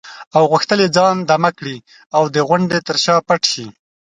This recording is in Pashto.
او غوښتل یې ځان دمه کړي او د غونډې تر شا پټ شي.